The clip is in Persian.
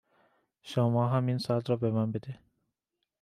شما هم این ساعت رو به من بده